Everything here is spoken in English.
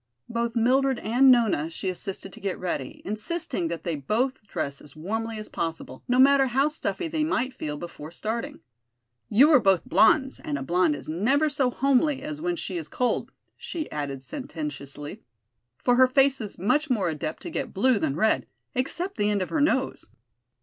Both Mildred and Nona she assisted to get ready, insisting that they both dress as warmly as possible, no matter how stuffy they might feel before starting. "You are both blondes and a blonde is never so homely as when she is cold," she added sententiously, "for her face is much more apt to get blue than red, except the end of her nose."